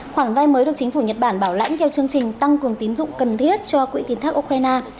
khoản vay mới được chính phủ nhật bản bảo lãnh theo chương trình tăng cường tín dụng cần thiết cho quỹ tiến thác ukraine